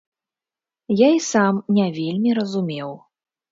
Я і сам не вельмі разумеў.